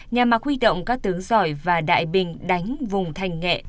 nhà mạc huy động các tướng giỏi và đại bình đánh vùng thành nghệ